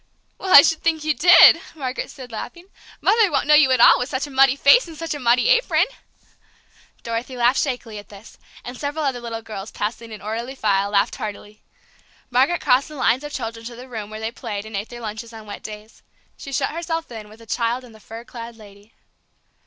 "Well, I should think you did!" Margaret said, laughing. "Mother won't know you at all with such a muddy face and such a muddy apron!" Dorothy laughed shakily at this, and several other little girls, passing in orderly file, laughed heartily. Margaret crossed the lines of children to the room where they played and ate their lunches on wet days. She shut herself in with the child and the fur clad lady.